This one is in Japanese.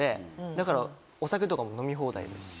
だからお酒とかも飲み放題ですし。